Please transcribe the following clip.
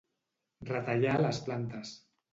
Retallar les plantes.